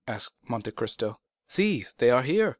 asked Monte Cristo. "See, they are here."